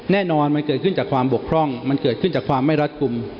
แน่นอนมันเกิดขึ้นจากความบกพร่องมันเกิดขึ้นจากความไม่รัดกลุ่ม